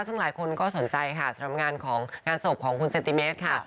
ซึ่งหลายคนก็สนใจค่ะสำหรับงานของงานศพของคุณเซนติเมตรค่ะ